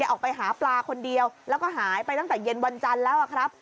ออกไปหาปลาคนเดียวแล้วก็หายไปตั้งแต่เย็นวันจันทร์แล้วครับ